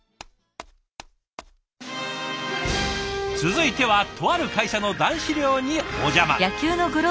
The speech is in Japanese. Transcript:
続いてはとある会社の男子寮にお邪魔。